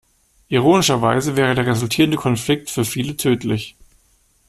Ironischerweise wäre der resultierende Konflikt für viele tödlich.